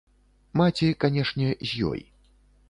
Маці, канешне, з ёй.